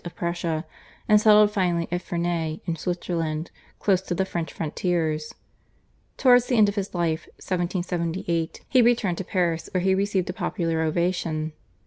of Prussia, and settled finally at Ferney in Switzerland close to the French frontiers. Towards the end of his life (1778) he returned to Paris where he received a popular ovation.